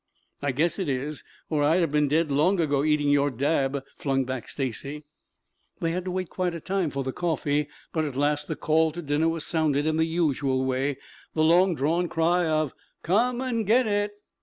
"I guess it is or I'd have been dead long ago eating your dab," flung back Stacy. They had to wait quite a time for the coffee, but at last the call to dinner was sounded in the usual way, the long drawn cry of, "Come and get it!"